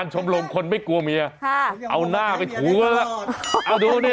ใช้เมียได้ตลอด